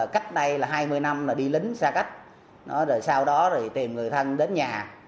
cách đây là hai mươi năm đi lính xa cách sau đó tìm người thân đến nhà